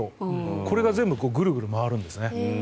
これが全部ぐるぐる回るんです。